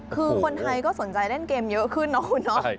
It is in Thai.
คือคนไทยก็สนใจเล่นเกมเยอะขึ้นเนาะคุณเนาะ